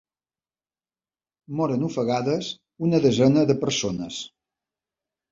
Moren ofegades una desena de persones.